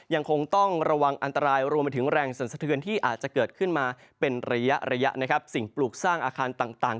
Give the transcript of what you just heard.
ยังคงต้องระวังอันตรายรวมไปถึงแรงสรรสะเทือนที่อาจจะเกิดขึ้นมาเป็นระยะระยะนะครับสิ่งปลูกสร้างอาคารต่าง